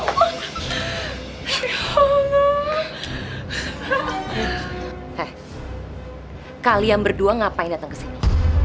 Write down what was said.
heh kalian berdua ngapain datang kesini